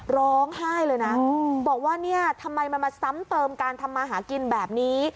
ร้องไห้เลยนะบอกว่าเนี่ยทำไมมันมาซ้ำเติมการทำมาหากินแบบนี้